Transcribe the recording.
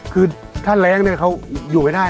คือถ้าแรงเนี่ยเขาอยู่ไม่ได้